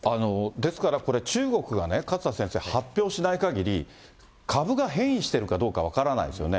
ですからこれ、中国がね、勝田先生、発表しないかぎり、株が変異してるかどうか分からないですよね。